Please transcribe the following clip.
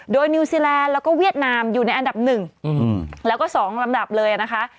โดยนิวซีแลนด์แล้วก็เวียดนามอยู่ในอันดับ๑แล้วก็๒ลำดับเลยนะคะ